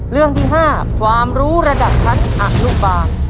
เรื่องที่๕ความรู้ระดับชั้นอนุบาล